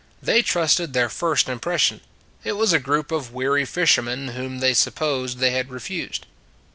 They trusted their first impres sion; it was a group of weary fishermen whom they supposed they had refused.